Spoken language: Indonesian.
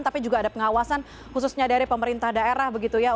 tapi juga ada pengawasan khususnya dari pemerintah daerah